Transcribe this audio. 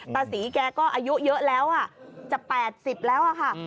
ตาศรีแกก็อายุเยอะแล้วจะ๘๐แล้วอะค่ะ